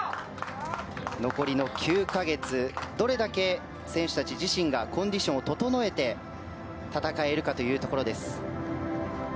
残りの９か月どれだけ選手たち自身がコンディションを整えて戦えるかというところです。